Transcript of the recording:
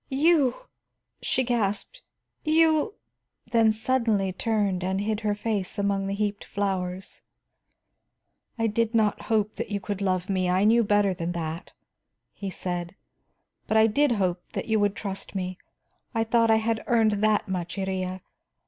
"You!" she gasped, "You " then suddenly turned and hid her face among the heaped flowers. "I did not hope that you could love me; I knew better than that," he said. "But I did hope that you would trust me. I thought I had earned that much, Iría.